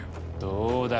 どうだ？